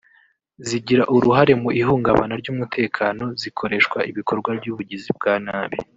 zigira uruhare mu ihungabana ry’umutekano zikoreshwa ibikorwa by’ubugizi bwa nabi